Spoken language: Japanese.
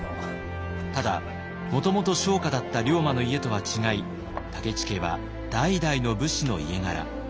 ただもともと商家だった龍馬の家とは違い武市家は代々の武士の家柄。